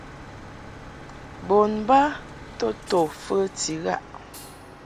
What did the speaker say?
Bon ba to to fəti ghaʼ.